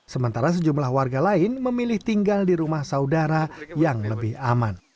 sementara sejumlah warga lain memilih tinggal di rumah saudara yang lebih aman